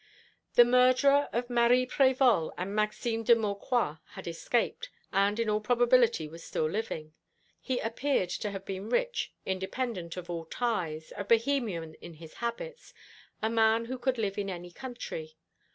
The murderer of Marie Prévol and Maxime de Maucroix had escaped, and in all probability was still living. He appeared to have been rich, independent of all ties, a Bohemian in his habits, a man who could live in any country.